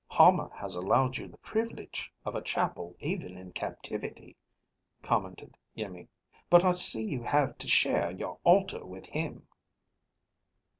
"Hama has allowed you the privilege of a chapel even in captivity," commented Iimmi, "but I see you have to share your altar with him."